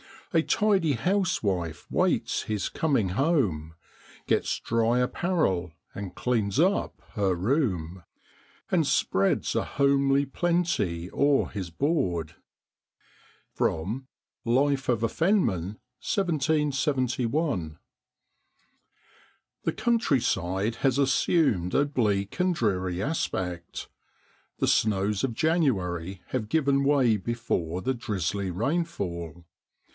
A tidy housewife waits his coming home, Gets dry apparel, and cleans up her room. And spreads a homely plenty o'er his board.' Life of a Fennian, 1771. HE countryside has assumed a bleak and dreary aspect. The snows of January have given way before the drizzly rainfall.